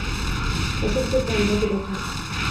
অসহ্য প্রাণঘাতী ব্যথা।